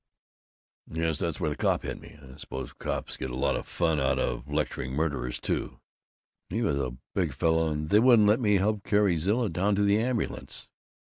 "Yes. That's where the cop hit me. I suppose cops get a lot of fun out of lecturing murderers, too. He was a big fellow. And they wouldn't let me help carry Zilla down to the ambulance."